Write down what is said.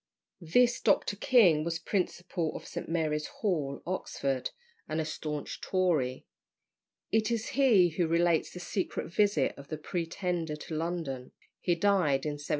This Dr. King was principal of St. Mary's Hall, Oxford, and a staunch Tory. It is he who relates the secret visit of the Pretender to London. He died in 1763.